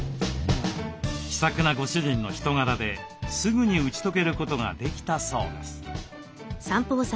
気さくなご主人の人柄ですぐに打ち解けることができたそうです。